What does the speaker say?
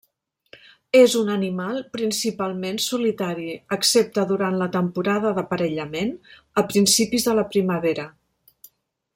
És un animal principalment solitari, excepte durant la temporada d'aparellament a principis de la primavera.